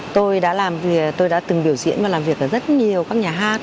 tôi đã từng biểu diễn và làm việc ở rất nhiều các nhà hát